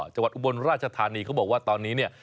อุบลราชธานีเขาบอกว่าตอนนี้เนี่ย